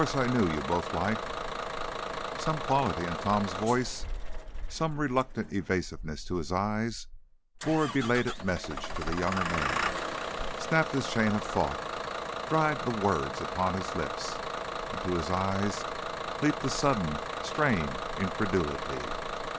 I knew you'd both like " Some quality in Tom's voice, some reluctant evasiveness to his eyes, bore a belated message to the younger man snapped his chain of thought dried the words upon his lips. Into his eyes leaped a sudden, strained incredulity.